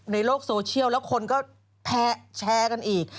ในโลกโซเชียลแล้วคนก็แชร์กันอีก